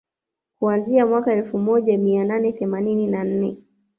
kuanzia mwaka elfu moja mia nane themanini na nne